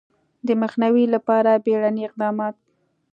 د مخنیوي لپاره بیړني اقدامات